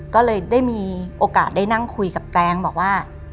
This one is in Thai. ก็เลยได้มีโอกาสได้นั่งคุยกับแตงบอกว่า